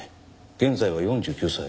現在は４９歳。